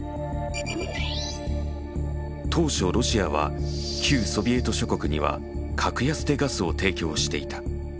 当初ロシアは旧ソビエト諸国には格安でガスを提供していた。